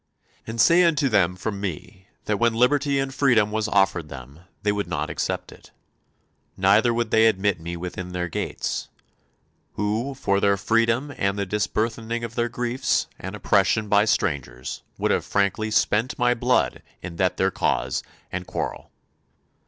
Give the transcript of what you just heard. "And say unto them from me that when liberty and freedom was offered them they would not accept it, neither would they admit me within their gates, who for their freedom and the disburthening of their griefs and oppression by strangers would have frankly spent my blood in that their cause and quarrel